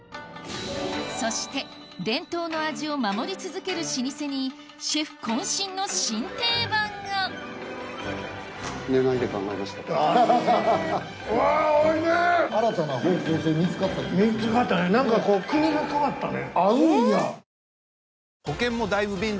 そして伝統の味を守り続ける老舗にシェフ渾身の新定番が見つかったね。